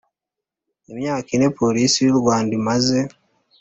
Imyaka ine Polisi y u Rwanda imaze